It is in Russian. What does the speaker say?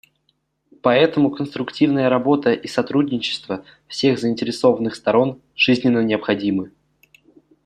Поэтому конструктивная работа и сотрудничество всех заинтересованных сторон жизненно необходимы.